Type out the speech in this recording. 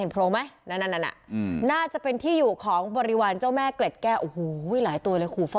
เห็นโพรงมั้ยนั่นน่าจะเป็นที่อยู่ของบริวารเจ้าแม่เกรดแก้ว